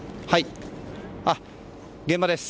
現場です。